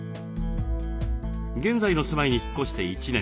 現在の住まいに引っ越して１年。